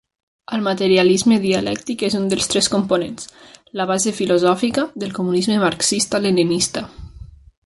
El materialisme dialèctic és un dels tres components -la base filosòfica- del comunisme marxista-leninista.